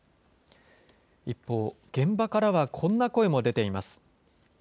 一方、現場からはこんな声も出ています。